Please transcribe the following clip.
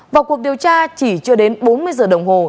vào cuộc điều tra chỉ chưa đến bốn mươi giờ đồng hồ